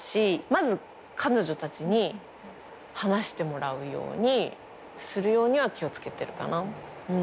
まず彼女たちに話してもらうようにするように気を付けてるかな。